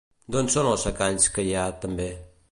D'on són els secalls que hi ha també?